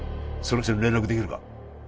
その人に連絡できるか？